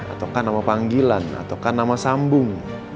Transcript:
atau nama panggilan atau nama sambung